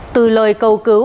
từ lời cầu cứu